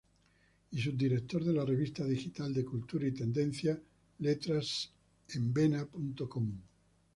Y subdirector de la revista digital de cultura y tendencias letrasenvena.com.